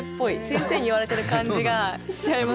先生に言われてる感じがしちゃいます。